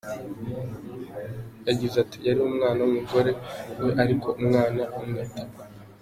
Yagize ati “Yari umwana w’umugore we ariko ’umwana amwita Papa’.